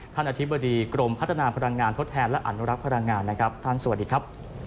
อธิบดีกรมพัฒนาพลังงานทดแทนและอนุรักษ์พลังงานนะครับท่านสวัสดีครับ